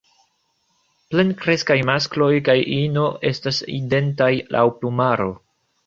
Plenkreskaj maskloj kaj ino estas identaj laŭ plumaro.